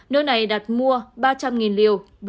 nơi này đặt mua ba trăm linh liều